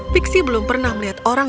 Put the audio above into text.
dan menyebabkan putri menangis